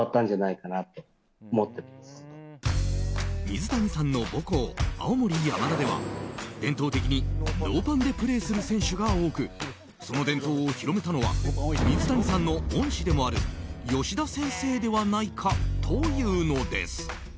水谷さんの母校、青森山田では伝統的にノーパンでプレーする選手が多くその伝統を広めたのは水谷さんの恩師でもある吉田先生ではないかというのです。